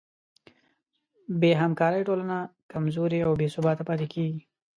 بېهمکارۍ ټولنه کمزورې او بېثباته پاتې کېږي.